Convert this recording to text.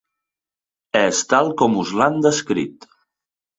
És tal com us l'han descrit.